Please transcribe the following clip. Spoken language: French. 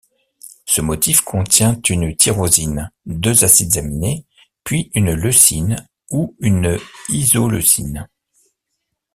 Ce motif contient une tyrosine, deux acides aminés, puis une leucine ou une isoleucine.